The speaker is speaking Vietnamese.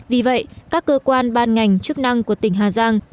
vì vậy các cơ quan ban ngành chức năng của tỉnh hà giang